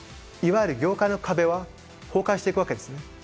いわゆる業界の壁は崩壊していくわけですね。